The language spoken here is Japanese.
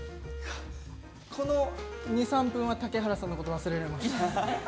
この２、３分は竹原さんのこと忘れられました。